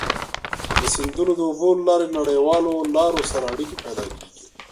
د سیندونو د اوبو له لارې نړیوالو لارو سره اړيکي پيدا کیږي.